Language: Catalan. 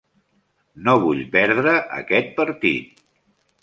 No vull perdre aquest partit.